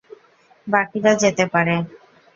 বাকিরা যেতে পারে।